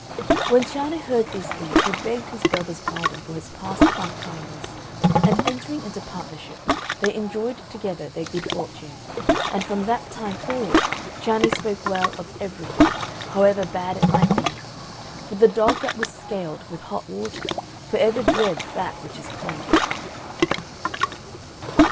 When Cianne heard these things, he begged his brother's pardon for his past unkindness, and entering into partnership they enjoyed together their good fortune, and from that time forward Cianne spoke well of everything, however bad it might be; for "The dog that was scalded with hot water, for ever dreads that which is cold."